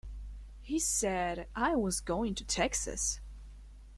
He said I was going to Texas.